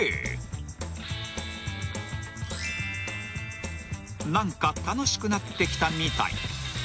［何か楽しくなってきたみたい］